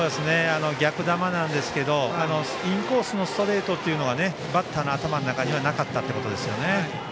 逆球なんですけどインコースのストレートはバッターの頭の中にはなかったということですね。